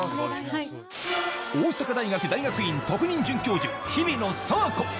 大阪大学大学院特任准教授、日比野佐和子。